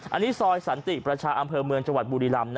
อันนี้ซอยสันติประชาอำเภอเมืองจังหวัดบุรีรำ